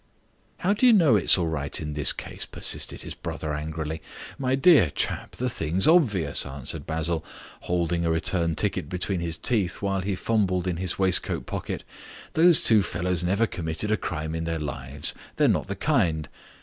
"How do you know it's all right in this ease?" persisted his brother angrily. "My dear chap, the thing's obvious," answered Basil, holding a return ticket between his teeth while he fumbled in his waistcoat pocket. "Those two fellows never committed a crime in their lives. They're not the kind.